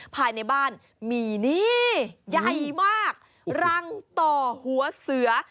ภายในบ้านมีนี่ใหญ่มากรังต่อหัวเสือ